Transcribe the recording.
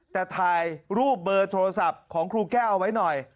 แต่ถ่ายรูปเบอร์โทรศัพท์ของครูแก้วเอาไว้หน่อย